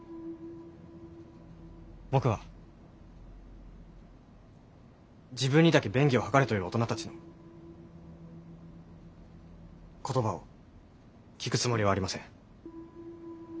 僕は自分にだけ便宜を図れという大人たちの言葉を聞くつもりはありません。